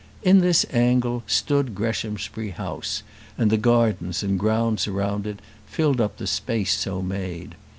In this angle stood Greshamsbury House, and the gardens and grounds around it filled up the space so made.